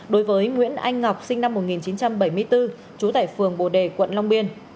đối với nguyễn anh ngọc sinh năm một nghìn chín trăm bảy mươi bốn trú tại phường bồ đề quận long biên